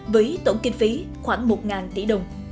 với tổng kinh phí khoảng một tỷ đồng